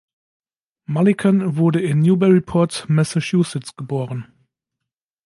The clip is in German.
Mulliken wurde in Newburyport, Massachusetts geboren.